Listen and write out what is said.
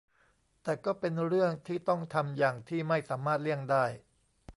แต่ก็เป็นเรื่องที่ต้องทำอย่างที่ไม่สามารถเลี่ยงได้